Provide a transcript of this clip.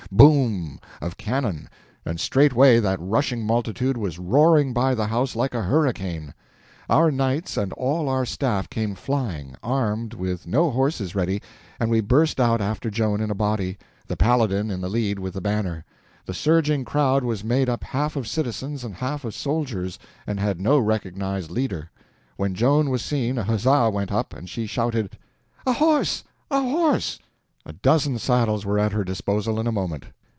—boom! of cannon, and straightway that rushing multitude was roaring by the house like a hurricane. Our knights and all our staff came flying, armed, but with no horses ready, and we burst out after Joan in a body, the Paladin in the lead with the banner. The surging crowd was made up half of citizens and half of soldiers, and had no recognized leader. When Joan was seen a huzza went up, and she shouted: "A horse—a horse!" A dozen saddles were at her disposal in a moment.